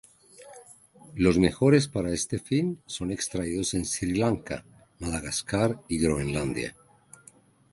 Los mejores para este fin son extraídos en Sri Lanka, Madagascar y Groenlandia.